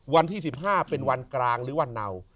วันที่๑๕เป็นวันกลางหรือวันเนา